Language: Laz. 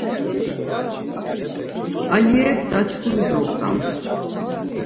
Aliyek daçxuri dogzams.